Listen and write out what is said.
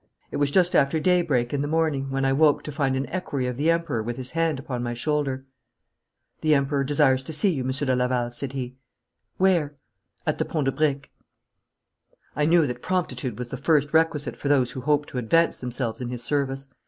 It was just after daybreak in the morning when I woke to find an equerry of the Emperor with his hand upon my shoulder. 'The Emperor desires to see you, Monsieur de Laval,' said he. 'Where?' 'At the Pont de Briques.' I knew that promptitude was the first requisite for those who hoped to advance themselves in his service.